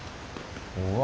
うわ。